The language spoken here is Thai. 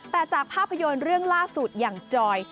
แต่จากภาพยนตร์เรื่องล่าสุดอย่างจอย